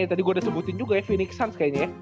tadi gue udah sebutin juga ya phoenix suns kayaknya ya